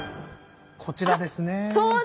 こちらですね。